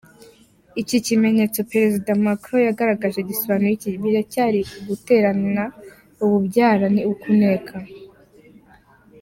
Iki kimenyetso Perezida Macron yagaragaraje gisobanuye iki? Biracyari uguterana ububyara ni ukunena?.